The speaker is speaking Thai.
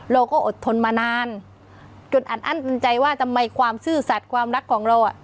เราก็อดทนมานานจนอัดอั้นตันใจว่าทำไมความซื่อสัตว์ความรักของเราอ่ะ